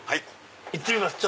いってみます。